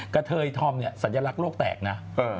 เทยธอมเนี่ยสัญลักษณ์โลกแตกนะ